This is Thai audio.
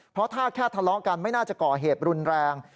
เพราะถ้าแค่ทะเลาะกันไม่น่าจะก่อเหตุรุนแรง